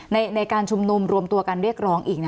ในการชุมนุมรวมตัวกันเรียกร้องอีก